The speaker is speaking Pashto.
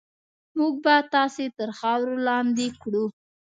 موږ به تاسې تر خاورو لاندې کړو.